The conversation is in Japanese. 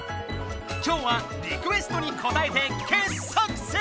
今日はリクエストにこたえて傑作選！